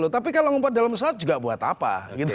tapi kalau ngumpet dalam pesawat juga buat apa